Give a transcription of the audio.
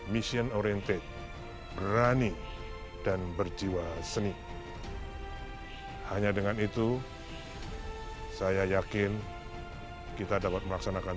mission oriented berani dan berjiwa seni hanya dengan itu saya yakin kita dapat melaksanakan